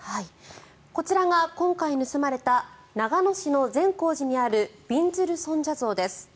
こちらが今回盗まれた長野市の善光寺にあるびんずる尊者像です。